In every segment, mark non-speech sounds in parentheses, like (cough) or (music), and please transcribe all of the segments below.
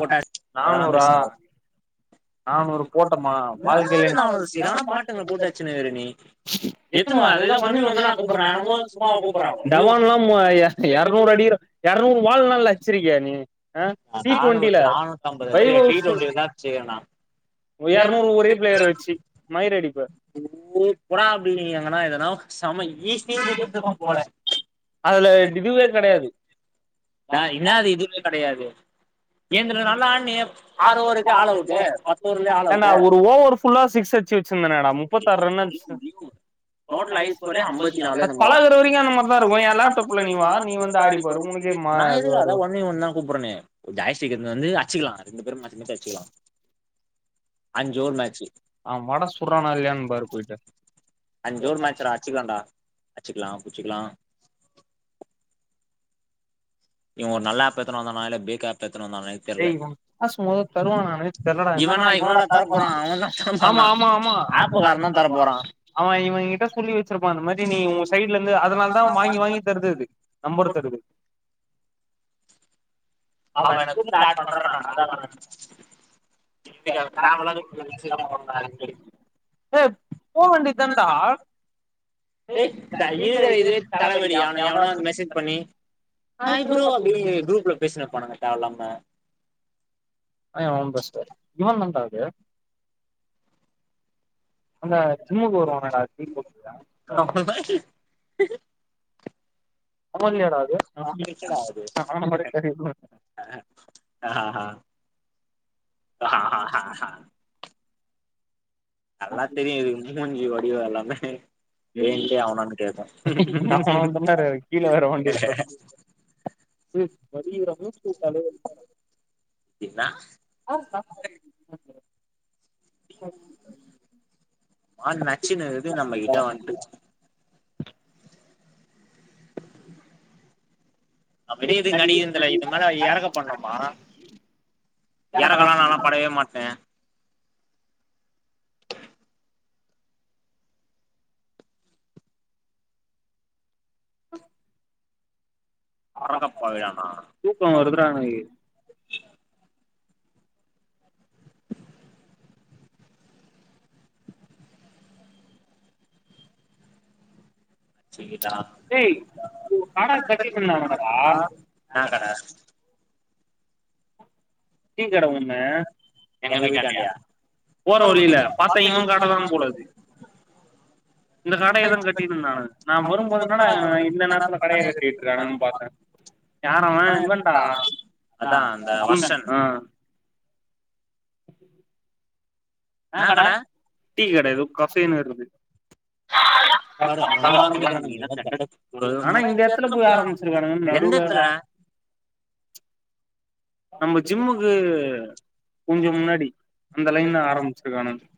போட்டா அதெல்லா நானூறா பேசுனது நானு ஒரு கோட்டமா வாழ்க்கய்ல என்னது நானூறு சீர் ஆனா பாட்டுங்கள போட்டு அடிச்சுனுருக்குற நீ எத்துனுவா அதேதா ஒன் வி ஒன் தான நா கூப்புட்ற நா என்னமோ சும்மாவா கூப்புட்ற ஒன் வி ஒன் டவான்லா ம எரநூறு அடி எரநூறு வாள்லால வச்சிருக்கிய நீ அ டி நானூறு டொண்டில நானூத்தம்பது இல்ல டி வைவோவுஸ்ஸு டுவெண்டி இருந்தா வச்சுக்கிறேண்ணா எரநூறு ஒரே பிளேயர வச்சு! ! ! ! ! ! ! ! ! ! அடிப்ப புரா புல்டிங் எதனா எதனா செம ஈஸி (unintelligible) போல அதுல இதுவே கெடயாது நா என்னாது இதுமே கெடையாது ஏந்துன நல்லா ஆட்னியே ஆல் ஏன்டா அவுட்டு ஒரு ஓவர் ஃபுல்லா சிக்ஸ் அடுச்சு வச்சுருந்தனேடா முப்பத்தார் ரன் அடுச்சே டோட்டல் ஐஸ் ஒரே ஐம்பத்தி நாலு என்னமோ தா பழகுற வரைக்கு அந்த மார் தா இருக்கு எ லேப்டாப்ல நீ வா நீ வந்து ஆடிப்பாரு ஒனக்கே நா எதுக்குடா அதா ஒன்னே ஒன்தா கூப்பர்ரனே ஜாய்ஸ்டிக்கர்னு வந்து அச்சுக்கலா ரெண்டு பேரு மாத்தி மாத்தி அச்சுக்கலா அஞ்சு ஓவர் மேச்சு அவ வட சுட்றானா இல்லையான்னு பாரு போயிட்டு அஞ்சு ஓவரு மேச்சுடா அச்சுக்கலான்டா அச்சுக்கலா புச்சுக்கலா இவொ நல்லா ஆப்பேத்துனாதா இல்ல பேக் ஆப் ஏ ஏய் இவொ காசு மொதோ தருவானானே தெர்லடா என்னடா இவனா இவனாடா தரப்போறா அவன் தா ஆமா தரமாட்டா ஆமா ஆமா ஆப்புக்காரன் தா தரப்போறா அவெ இவெ கிட்ட சொல்லி வச்சிருப்பா இந்த மாதி நீ உ சைட்ல இருந்து அதுனால அதா வாங்கி வாங்கி தருது அது நம்பர் தருது (unintelligible) (unintelligible) கார்ட் பண்றோடா நானு அவெனு ஹிந்தி காரே தேவ இல்லாத (inaudible) ஏ போ வேண்டி தான்டா ஏய் த இருக்குற இதுவே தல வலி அவெ எவனோ வ மெசேஜ் பண்ணி ஹாய் ப்ரோ அப்டினு குரூப்ல பேசினே இருப்பானுங்க தேவ இல்லாம அ ஒம் பஸ்டர் இவன் பண்றாரு அந்த ஜிம்முக்கு வருவானேடா தீபக்கு அவன்லயாடா அது ஒ பிஸ்ஸுடா அது அவன மாரி தெரியுது ஆ ஆஹ்ஹ ஆஹஹஹ்ஹ்ஹ் அல்லா தெரியு இது மூஞ்சி வடியு எல்லாமே வேணுன்ட்டே அவனான்னு கேக்கு கம்பெனி வந்தம்டாரு கீழ வேர வண்டி நிப்பாட்னா ம் (unintelligible) ரமேஸ்க்கு தல வலிக்கிதா என்னா ஆ (inaudible) ஆன் நக்சின இது நம்ம இத வந்து அப்டியே இது நடிக்கிறதில்ல இது மேல எறக்கப்பட்னுமா எறக்கலா நாலா படவே மாட்டே ஆஹ அரக்கப்பாவியானா தூக்கம் வருதுடா எனக்கு சேர் ஏய் கானா சட்டி என்னா பண்ணாங்கல்லலடா கட கீங் காரவ்ங்கன்னு எங்க வீட்டாண்டயா போற வழில பாத்தவெங்கலா காட்டதான் போலருக்கு இந்த கடய தான் கட்டிட்ருந்தானுக நாம் வரும்போது என்னடா இவனுக இந்த நேரத்துல கடய கட்டிட்டுருக்கானுகனு பாத்தே யாரவெ இவன்டா அதா அந்த வர்ஷன் ஆ என்னா கட டீகட எதோ கஃபேன்னு வருது பாரு அவனுங்களா ஆரம்பிக்கிறானுங்க எங்க ஆனா தண்ட இந்த எடத்துல போய் ஆரம்பிச்சிருக்கானுங்க ஆரம்பிச்சுருவானுங்க எந்த நடுல எடத்துலடா நம்ம ஜிம்முக்கு கொஞ்ச முன்னாடி அந்த லைன்ல ஆரம்பிச்சிருக்கானுக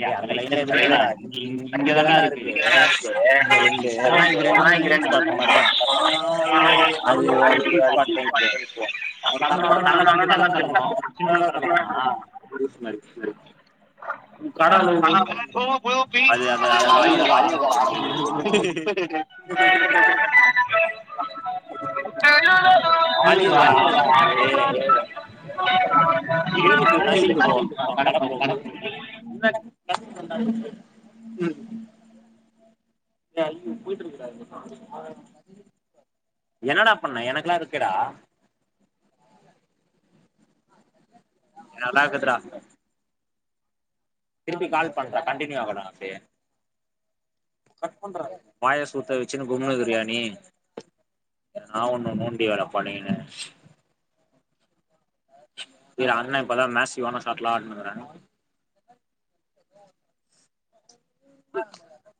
ஏ டேய் லைன்ல அந்த எதுவுமே இல்லடா (inaudible) இங்க இங்கதான இங்கதான்டா இருக்கு இந்த ரெண்டு ஆனா இது அதா ரெண்டுமே இங்க மெயின் ரெண்டாவது ஸ்பாட் மாரிதா அது (inaudible) தெறந்தாலும் நல்லா பெருசாதான் தெறக்கணும் சின்னதா தெறக்கணுமா லூசு மாரி கட பட அது அது அதோட அழிவு கால ஆரம்பிச்சிருச்சு (inaudible) (inaudible) அழிவு ஆரம்பிச்சிச்சி கடப்பம் இல்ல மச்சி நசிக்கிட்டு போ கடை போகு கடப்பம் ம் இல்ல (inaudible) என்னடா பண்ண எனக்கெலாம் இருக்கேடா நல்லாகுது டா திருப்பி கால் பண்றே கண்டின்யூ ஆகலாம் அப்டியே கட் பண்றா வாய! ! ! ! ! ! ! ! ! ! வச்சுனு கும்முனு இக்குறியா நீ எதுனா ஒண்ணு நோண்டி வேல பன்னிகினு (unintelligible) இப்பதான் மேசிவான சாட்லாம் அப்டினுருக்கரே